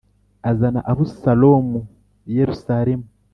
azana Abusalomu i Yerusalemu.